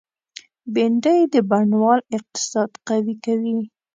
بېنډۍ د بڼوال اقتصاد قوي کوي